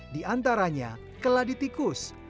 di antaranya keladitikus